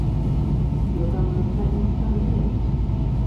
Bürgermeister installiert.